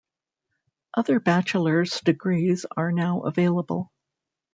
Other bachelor's degrees are now available.